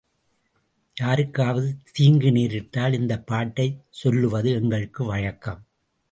யாருக்காவது தீங்கு நேரிட்டால் இந்த பாட்டைச் சொல்லுவது எங்களுக்கு வழக்கம்.